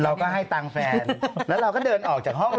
เราก็ให้ตังค์แฟนแล้วเราก็เดินออกจากห้อง